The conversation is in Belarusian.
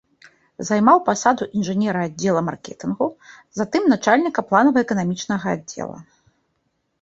Займаў пасаду інжынера аддзела маркетынгу, затым начальніка планава-эканамічнага аддзела.